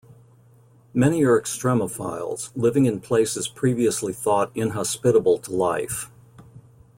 Many are extremophiles, living in places previously thought inhospitable to life.